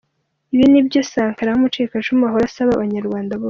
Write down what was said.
Ibi nibyo Sankara w’umucikacumu ahora asaba abanyarwanda bose.